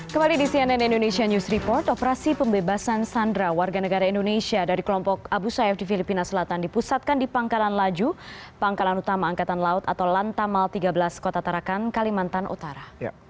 kembali di cnn indonesia news report operasi pembebasan sandra warga negara indonesia dari kelompok abu sayyaf di filipina selatan dipusatkan di pangkalan laju pangkalan utama angkatan laut atau lantamal tiga belas kota tarakan kalimantan utara